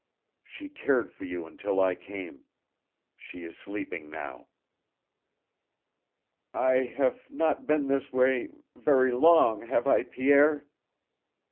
She cared for you until I came. She is sleeping now." "I have not been this way very long, have I, Pierre?"